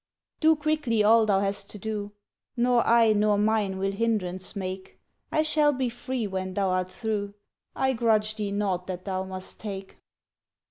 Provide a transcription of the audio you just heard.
Do quickly all thou hast to do, Nor I nor mine will hindrance make; I shall be free when thou art through; I grudge thee naught that thou must take!